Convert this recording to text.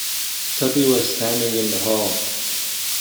Tuppy was standing in the hall.